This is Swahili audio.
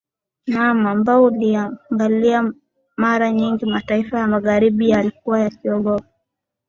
naam ambao ukiangalia mara nyingi mataifa ya magharibi yamekuwa yakiogopa